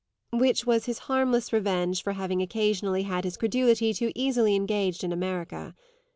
Which was his harmless revenge for having occasionally had his credulity too easily engaged in America.